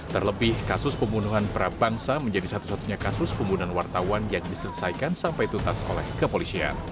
terlebih kasus pembunuhan prabangsa menjadi satu satunya kasus pembunuhan wartawan yang diselesaikan sampai tuntas oleh kepolisian